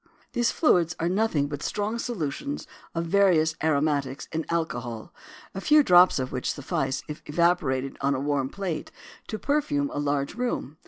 These fluids are nothing but strong solutions of various aromatics in alcohol, a few drops of which suffice, if evaporated on a warm plate, to perfume a large room.